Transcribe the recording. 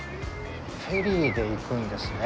フェリーで行くんですね。